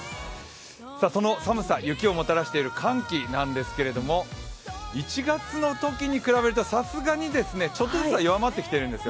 その寒さ、雪をもたらしている寒気なんですけれども１月のときに比べるとさすがにちょっとずつは弱まってきているんですよ。